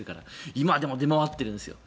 今でも出回っているんですよ。